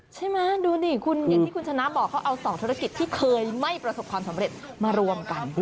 ใช่ไหมดูดิคุณอย่างที่คุณชนะบอกเขาเอา๒ธุรกิจที่เคยไม่ประสบความสำเร็จมารวมกัน